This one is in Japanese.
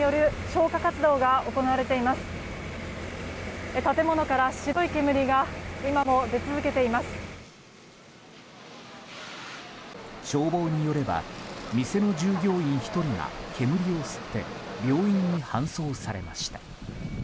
消防によれば店の従業員１人が煙を吸って病院に搬送されました。